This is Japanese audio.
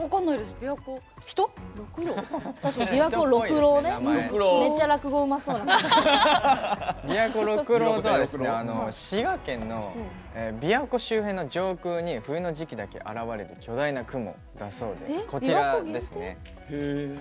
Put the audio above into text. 琵琶湖六郎とは滋賀県の琵琶湖周辺の上空に冬の時期だけ現れる巨大な雲だそうです。